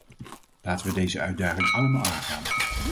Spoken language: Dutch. Laten we deze uitdaging allemaal aangaan!